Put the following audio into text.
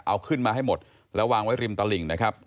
เอาขึ้นมาให้หมดแล้ววางไว้ริมตลิ่งนะครับ